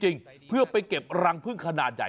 จริงเพื่อไปเก็บรังพึ่งขนาดใหญ่